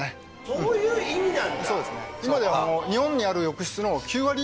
そういう意味なんだ。